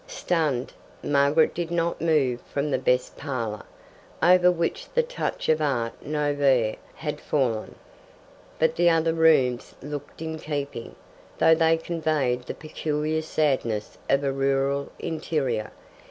Stunned, Margaret did not move from the best parlour, over which the touch of art nouveau had fallen. But the other rooms looked in keeping, though they conveyed the peculiar sadness of a rural interior.